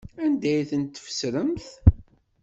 Anda ay tent-tfesremt?